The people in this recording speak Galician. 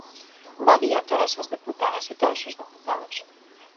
Bo día a todas as deputadas e todos os deputados.